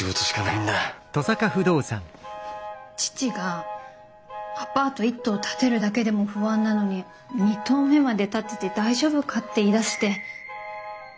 父が「アパート１棟建てるだけでも不安なのに２目棟まで建てて大丈夫か」って言いだして。